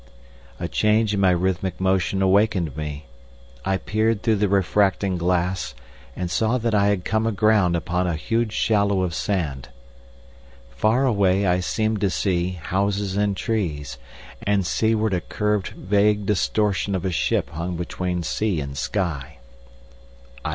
A change in my rhythmic motion awakened me. I peered through the refracting glass, and saw that I had come aground upon a huge shallow of sand. Far away I seemed to see houses and trees, and seaward a curved, vague distortion of a ship hung between sea and sky.